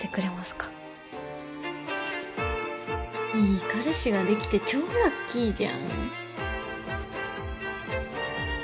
いい彼氏ができて超ラッキーじゃん。